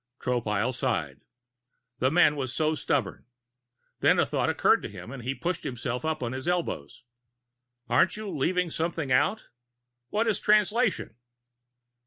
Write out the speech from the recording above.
Tropile sighed. The man was so stubborn! Then a thought occurred to him and he pushed himself up on his elbows. "Aren't you leaving something out? What about Translation?"